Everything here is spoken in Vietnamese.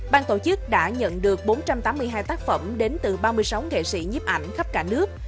ban tổ chức đã nhận được bốn trăm tám mươi hai tác phẩm đến từ ba mươi sáu nghệ sĩ nhiếp ảnh khắp cả nước